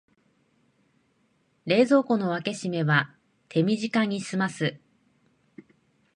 冷蔵庫の開け閉めは手短にすます